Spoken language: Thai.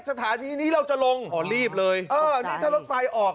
สถานีนี้เราจะลงอ๋อรีบเลยเออนี่ถ้ารถไฟออก